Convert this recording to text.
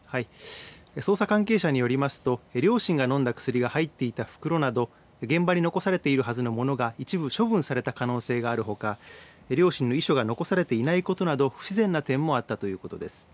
捜査関係者によりますと両親が飲んだ薬が入っていた袋など現場に残されているはずのものが一部処分された可能性があるほか両親の遺書が残されていないことなど不自然な点もあったということです。